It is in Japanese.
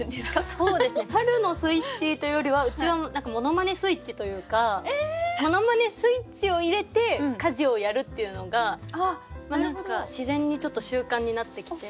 そうですね「春のスイッチ」というよりはうちはモノマネスイッチというかモノマネスイッチを入れて家事をやるっていうのが何か自然にちょっと習慣になってきて。